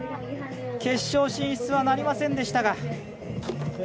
決勝進出はなりませんでしたが。